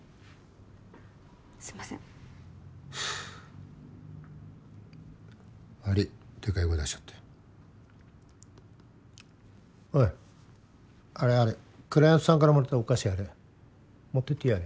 すいません悪いデカイ声出しちゃっておいあれあれクライアントさんからもらったお菓子あれ持ってっていいよ